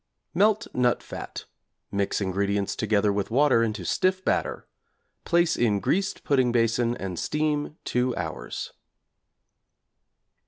Melt nut fat, mix ingredients together with water into stiff batter; place in greased pudding basin and steam 2 hours.